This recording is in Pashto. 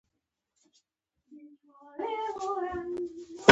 اعتماد نامې برابري کړي.